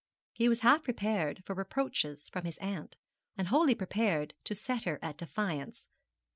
He was half prepared for reproaches from his aunt, and wholly prepared to set her at defiance.